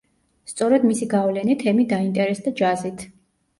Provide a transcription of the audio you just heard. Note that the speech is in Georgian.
სწორედ მისი გავლენით ემი დაინტერესდა ჯაზით.